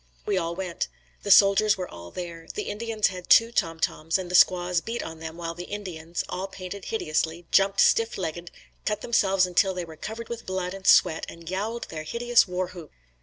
We all went. The soldiers were all there. The Indians had two tom toms, and the squaws beat on them while the Indians, all painted hideously, jumped stiff legged, cut themselves until they were covered with blood and sweat and yowled their hideous war whoop.